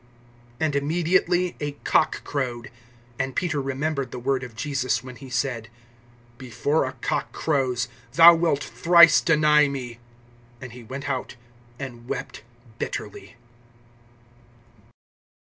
And immediately a cock crowed. (75)And Peter remembered the word of Jesus when he said: Before a cock crows, thou wilt thrice deny me. And he went out, and wept bitterly.